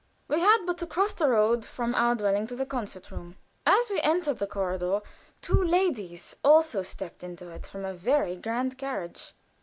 We had but to cross the road from our dwelling to the concert room. As we entered the corridor two ladies also stepped into it from a very grand carriage.